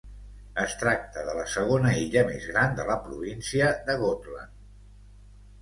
Es tracta de la segona illa més gran de la província de Gotland.